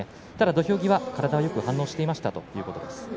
土俵際、体がよく反応していましたということです。